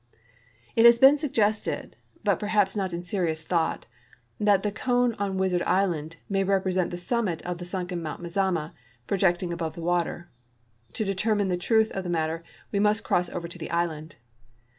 It has been sucirested. l)ut perhaps not in serious tliought, that the cone on Wizard ishind may represent the summit of the sunken Mount Mazama, projecting above the water. To deter mine the truth of the matter we must cross over to the island.